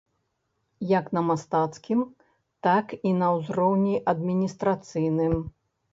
Як на мастацкім, так і на ўзроўні адміністрацыйным.